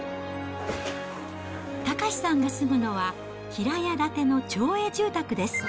岳さんが住むのは、平屋建ての町営住宅です。